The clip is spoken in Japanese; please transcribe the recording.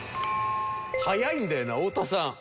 早いんだよな太田さん。